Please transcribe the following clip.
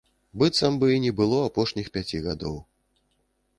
Быццам бы і не было апошніх пяці гадоў.